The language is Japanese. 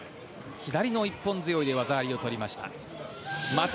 左の一本背負いで技ありを取りました。